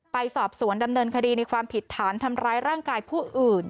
ไปสอบสวนดำเนินคดีในความผิดฐานทำร้ายร่างกายผู้อื่น